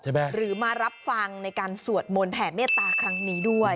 หรือมารับฟังในการสวดมนต์แผ่เมตตาครั้งนี้ด้วย